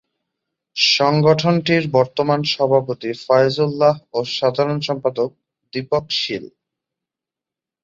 সংগঠনটির বর্তমান সভাপতি ফয়েজ উল্লাহ ও সাধারণ সম্পাদক দীপক শীল।